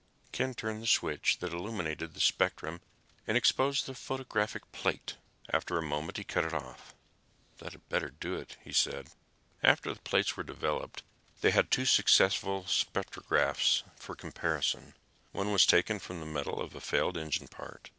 Ken turned the switch that illuminated the spectrum and exposed the photographic plate. After a moment, he cut it off. "That had better do it!" he said. After the plates were developed, they had two successful spectrographs for comparison. One was taken from the metal of a failed engine part.